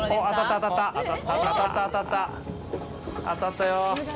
当たったよ。